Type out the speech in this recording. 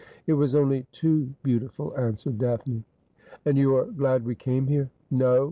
' It was only too beautiful,' answered Daphne. ' And you are glad we came here.' ' No.